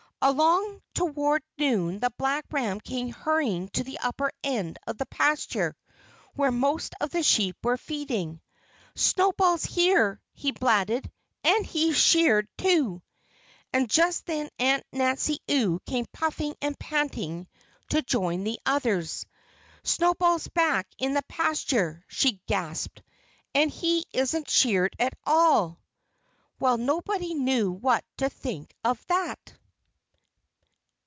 Along toward noon the black ram came hurrying to the upper end of the pasture, where most of the sheep were feeding. "Snowball's here!" he blatted. "And he's sheared, too!" And just then Aunt Nancy Ewe came puffing and panting to join the others. "Snowball's back in the pasture!" she gasped. "And he isn't sheared at all!" Well, nobody knew what to think of that.